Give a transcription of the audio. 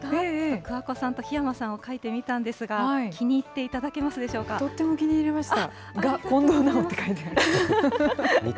桑子さんと檜山さんを描いてみたんですが、気に入っていただけまとっても気に入りました。